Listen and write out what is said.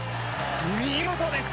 見事です！